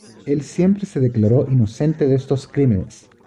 Él siempre se declaró inocente de estos crímenes.